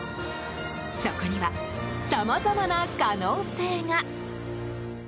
そこには、さまざまな可能性が。